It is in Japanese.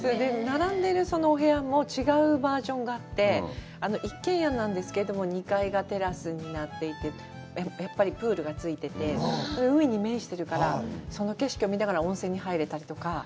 並んでるお部屋も違うバージョンがあって、一軒家なんですけれども、２階がテラスになっていて、やっぱりプールがついていて、海に面しているから、その景色を見ながら温泉に入れたりとか。